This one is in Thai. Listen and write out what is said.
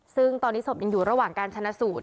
ซึ่งตอนนี้ศพยังอยู่ระหว่างการชนะสูตร